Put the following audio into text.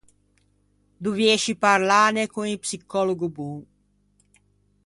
Doviësci parlâne con un psicòlogo bon.